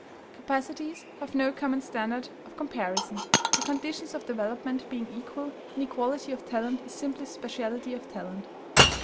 Capacities have no common standard of comparison: the conditions of development being equal, inequality of talent is simply speciality of talent.